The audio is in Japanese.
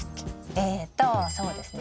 えとそうですね